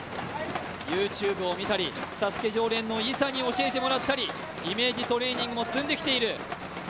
ＹｏｕＴｕｂｅを見たり、ＳＡＳＵＫＥ常連の伊佐に教えてもらったりイメージトレーニングも積んできている。